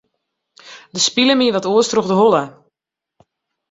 Der spile my wat oars troch de holle.